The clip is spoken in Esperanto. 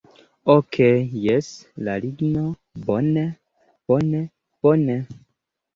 Okej' jes la ligno... bone, bone, bone